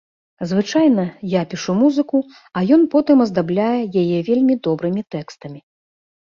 Звычайна, я пішу музыку, а ён потым аздабляе яе вельмі добрымі тэкстамі.